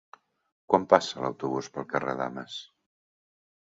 Quan passa l'autobús pel carrer Dames?